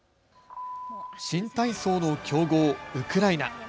新体操の強豪、ウクライナ。